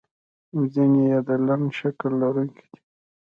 ځینې یې د لنډ شکل لرونکي دي.